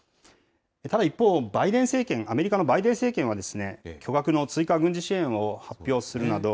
ただ一方、バイデン政権、アメリカのバイデン政権は、巨額の追加軍事支援を発表するなど、